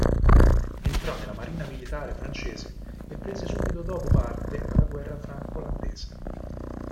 Entrò nella marina militare francese e prese subito dopo parte alla Guerra franco-olandese.